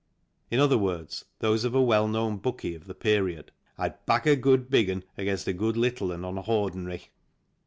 In other words, those of a well known " bookie " of the period, "I'd back a good big' un against a good little 'un on a hordinary."